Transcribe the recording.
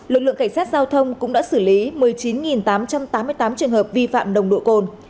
lực lượng cảnh sát giao thông cũng đã xử lý một mươi chín tám trăm tám mươi tám trường hợp vi phạm nồng độ cồn